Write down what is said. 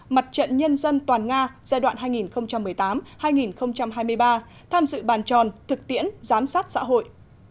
mặt trận nhân dân toàn nga giai đoạn hai nghìn một mươi tám hai nghìn hai mươi ba tham dự bàn tròn thực tiễn giám sát xã hội